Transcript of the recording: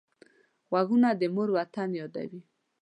غوږونه د مور وطن یادوي